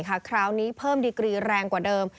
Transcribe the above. คราวนี้เพิ่มดีกรีแรงกว่าเดิม